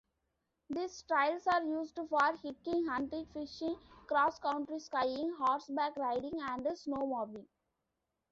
These trails are used for hiking, hunting, fishing, cross-country skiing, horseback riding and snowmobiling.